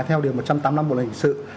theo điều một trăm tám mươi năm bộ lĩnh sự